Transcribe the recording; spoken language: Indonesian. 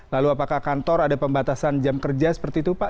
lalu apakah kantor ada pembatasan jam kerja seperti itu pak